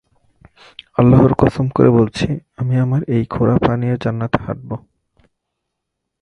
আল্লাহর কসম করে বলছি, আমি আমার এই খোঁড়া পা নিয়ে জান্নাতে হাঁটব।